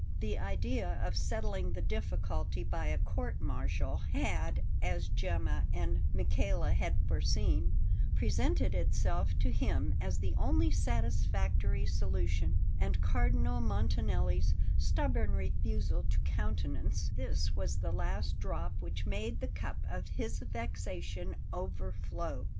The idea of settling the difficulty by a courtmartial had, as Gemma and Michele had foreseen, presented itself to him as the only satisfactory solution; and Cardinal Montanelli's stubborn refusal to countenance this was the last drop which made the cup of his vexations overflow.